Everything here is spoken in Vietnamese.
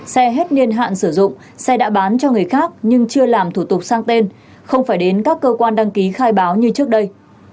xe hết niên hạn sử dụng xe đã bán cho người khác nhưng chưa làm thủ tục sang tên không phải đến các cơ quan đăng ký khai báo như trước đây